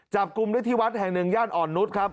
จับกลุ่มได้ที่วัดแห่งหนึ่งย่านอ่อนนุษย์ครับ